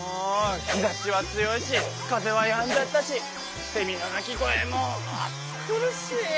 日ざしは強いし風はやんじゃったしせみの鳴き声も暑苦しい！